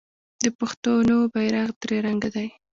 د پښتنو بیرغ درې رنګه دی.